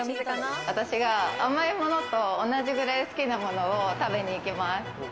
甘いものと同じくらい好きなものを食べに行きます。